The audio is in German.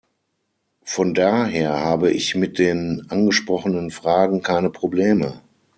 Von daher habe ich mit den angesprochenen Fragen keine Probleme.